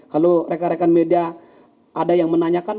kalau rekan rekan media ada yang menanyakan